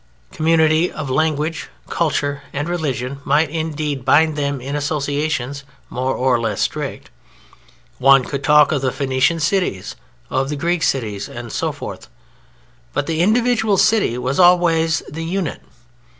Community of language, culture, and religion might, indeed, bind them in associations more or less strict. One could talk of the Phoenician cities, of the Greek cities, and so forth. But the individual City was always the unit.